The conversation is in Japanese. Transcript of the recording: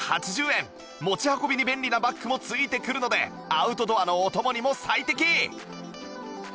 持ち運びに便利なバッグも付いてくるのでアウトドアのお供にも最適